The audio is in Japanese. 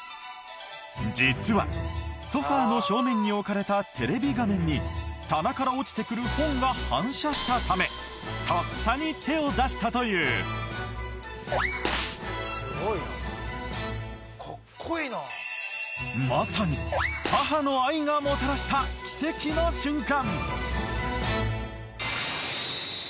実はソファーの正面に置かれたテレビ画面に棚から落ちてくる本が反射したためとっさに手を出したというまさに母の愛がもたらしたキセキの瞬間